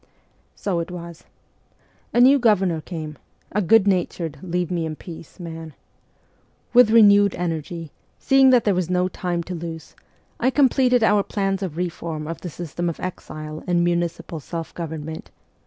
So it was. A new Governor came a good natured* ' leave me in peace ' man. With renewed energy, see ing that there was no time to lose, I completed our plans of reform of the system of exile and municipal self government.